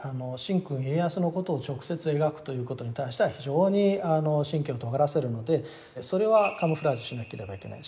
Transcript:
神君家康のことを直接描くということに対しては非常に神経をとがらせるのでそれはカムフラージュしなければいけない。